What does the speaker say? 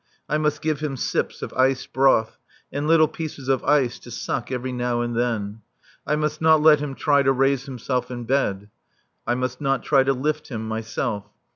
I must give him sips of iced broth, and little pieces of ice to suck every now and then. I must not let him try to raise himself in bed. I must not try to lift him myself.